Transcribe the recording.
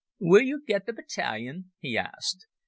"Will you get the battalion?" he asked.